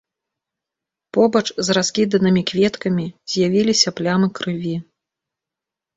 Побач з раскіданымі кветкамі з'явіліся плямы крыві.